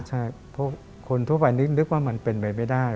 ใช่เพราะคนทั่วไปนึกว่ามันเป็นไปไม่ได้